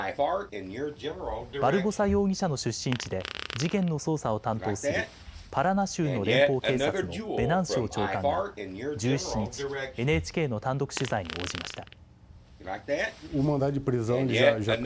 バルボサ容疑者の出身地で事件の捜査を担当するパラナ州の連邦警察のベナンシオ長官が１７日、ＮＨＫの単独取材に応じました。